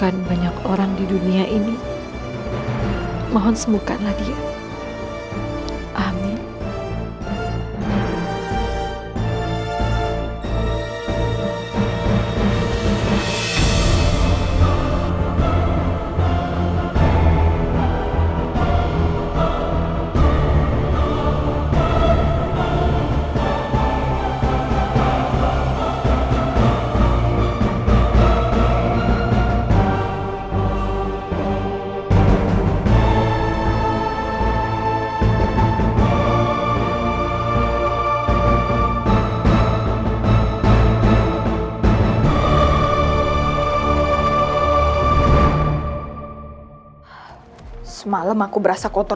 noyeon sedang ngantau samarett